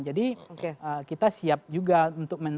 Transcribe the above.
jadi kita siap juga untuk